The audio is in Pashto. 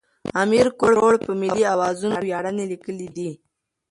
امیر کروړ په ملي اوزانو ویاړنې لیکلې دي.